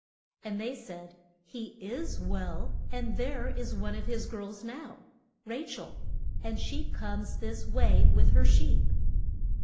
And they said, He is well. And there is one of his girls now, Ra chel, and she comes this way with her sheep.